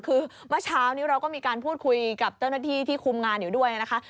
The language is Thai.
คือเมื่อเช้านี้เราก็มีการพูดคุยกับเจ้าหน้าที่ที่คุมงานอยู่ด้วยนะคะ